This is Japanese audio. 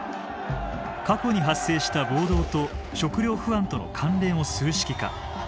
過去に発生した暴動と食料不安との関連を数式化。